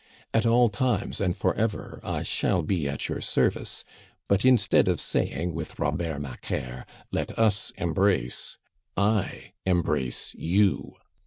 "At all times and for ever I shall be at your service, but instead of saying with Robert Macaire, 'Let us embrace!' I embrace you."